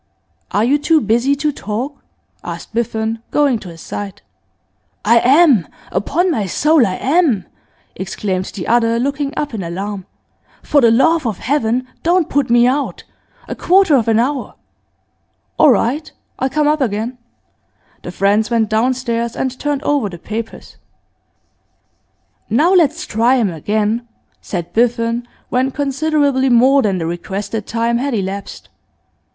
'Are you too busy to talk?' asked Biffen, going to his side. 'I am! Upon my soul I am!' exclaimed the other looking up in alarm. 'For the love of Heaven don't put me out! A quarter of an hour!' 'All right. I'll come up again.' The friends went downstairs and turned over the papers. 'Now let's try him again,' said Biffen, when considerably more than the requested time had elapsed.